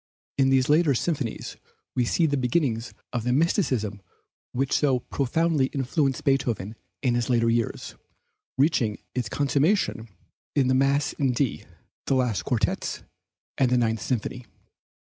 In these later symphonies we see the beginnings of the mysticism which so profoundly influenced Beethoven in his last years, reaching its consummation in the Mass in D, the last Quartets, and the Ninth Symphony.